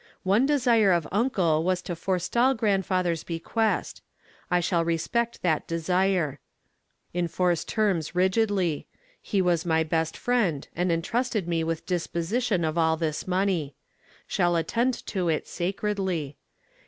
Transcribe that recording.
One desire of uncle was to forestall grandfather's bequest. I shall respect that desire. Enforce terms rigidly. He was my best friend and trusted me with disposition of all this money. Shall attend to it sacredly.